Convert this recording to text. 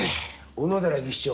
小野寺技師長